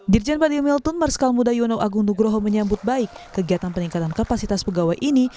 dirjen padi meltun marskal muda yono agung nugroho menyambut baik kegiatan peningkatan kapasitas pegawai ini